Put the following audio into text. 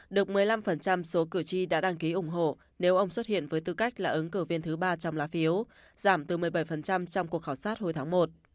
được một mươi năm số cử tri đã đăng ký ủng hộ nếu ông xuất hiện với tư cách là ứng cử viên thứ ba trong lá phiếu giảm từ một mươi bảy trong cuộc khảo sát hồi tháng một